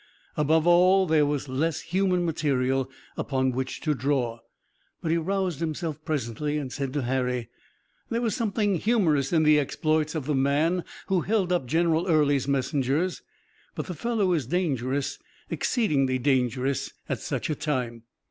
Above all, there was less human material upon which to draw. But he roused himself presently and said to Harry: "There was something humorous in the exploits of the man who held up General Early's messengers, but the fellow is dangerous, exceedingly dangerous at such a time."